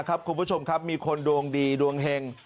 คุณผู้ชมครับมีคนดวงดีดวงเห็ง